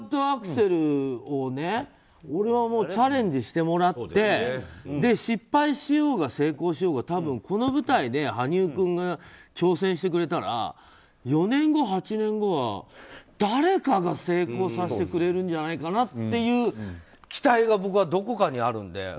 アクセルを俺はチャレンジしてもらって失敗しようが成功しようがこの舞台で羽生君が挑戦してくれたら４年後、８年後は誰かが成功させてくれるんじゃないかなっていう期待がどこかにあるので。